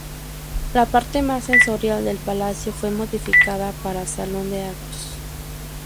La parte más señorial del Palacio, fue modificada para salón de actos.